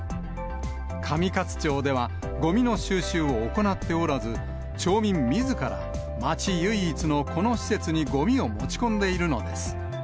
上勝町では、ごみの収集を行っておらず、町民みずから町唯一のこの施設にごみを持ち込んでいるのです。